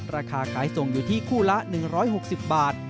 ราคาขายส่งอยู่ที่คู่ละ๑๖๐บาท